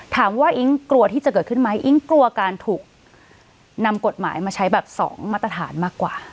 ว่าอิ๊งกลัวที่จะเกิดขึ้นไหมอิ๊งกลัวการถูกนำกฎหมายมาใช้แบบสองมาตรฐานมากกว่า